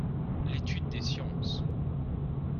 L’étude des sciences.